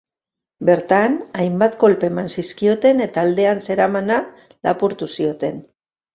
Bertan, hainbat kolpe eman zizkioten eta aldean zeramana lapurtu zioten.